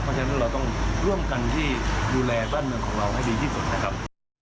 เพราะฉะนั้นเราต้องร่วมกันที่ดูแลบ้านเมืองของเราให้ดีที่สุดนะครับ